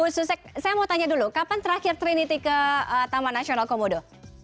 bu susek saya mau tanya dulu kapan terakhir trinity ke taman nasional komodo